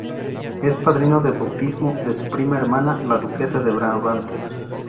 Es padrino de bautismo de su prima hermana, la duquesa de Brabante.